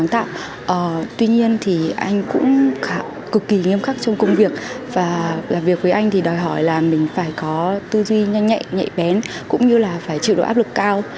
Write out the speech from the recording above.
tuy nhiên thì anh cũng cực kỳ nghiêm khắc trong công việc và làm việc với anh thì đòi hỏi là mình phải có tư duy nhanh nhạy nhạy bén cũng như là phải chịu độ áp lực cao